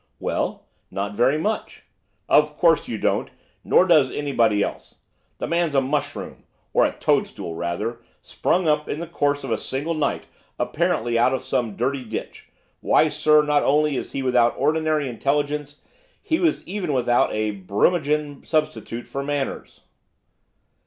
'Well, not very much.' 'Of course you don't! nor does anybody else! The man's a mushroom, or a toadstool, rather! sprung up in the course of a single night, apparently out of some dirty ditch. Why, sir, not only is he without ordinary intelligence, he is even without a Brummagen substitute for manners.